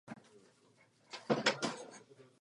Bylo by to v rozporu s naším cílem zjednodušení.